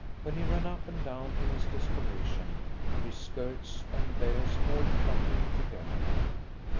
When he ran up and down in his desperation, his skirts and theirs all fluttered together.